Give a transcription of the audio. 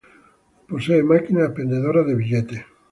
Posee máquinas expendedoras de billetes.